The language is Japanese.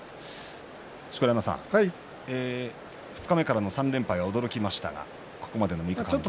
錣山さん二日目からの３連敗、驚きましたがここまでどうですか。